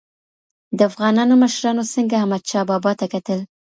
د افغانانو مشرانو څنګه احمد شاه بابا ته کتل؟